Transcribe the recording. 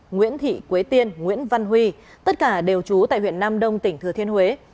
nguyễn thị quế tiên nguyễn văn huy tất cả đều trú tại huyện nam đông tỉnh thừa thiên huế